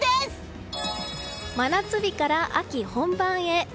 真夏日から秋本番へ。